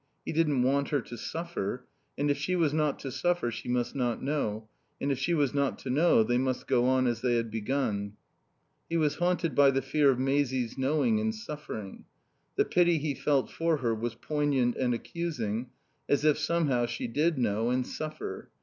He didn't want her to suffer, and if she was not to suffer she must not know, and if she was not to know they must go on as they had begun. He was haunted by the fear of Maisie's knowing and suffering. The pity he felt for her was poignant and accusing, as if somehow she did know and suffer.